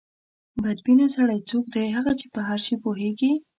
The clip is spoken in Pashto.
بد بینه سړی څوک دی؟ هغه چې په هر شي پوهېږي.